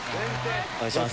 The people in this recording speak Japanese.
お願いします。